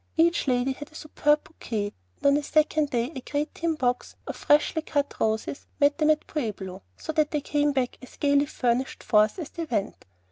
Each lady had a superb bouquet; and on the second day a great tin box of freshly cut roses met them at Pueblo, so that they came back as gayly furnished forth as they went.